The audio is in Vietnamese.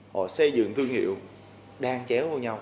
họ xây dựng thương hiệu đang chéo vào nhau